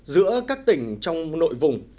giữa các tỉnh trong nội vùng